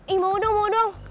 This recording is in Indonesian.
ih mau dong mau dong